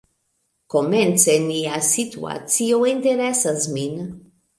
Komence nia situacio interesas min.